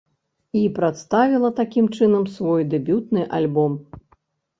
І прадставіла такім чынам свой дэбютны альбом.